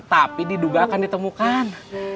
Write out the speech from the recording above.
tapi diduga akan ditemukan